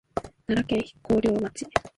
奈良県広陵町